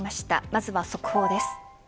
まずは速報です。